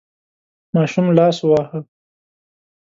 ماشوم لاس وواهه.